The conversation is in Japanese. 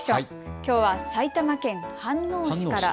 きょうは埼玉県飯能市から。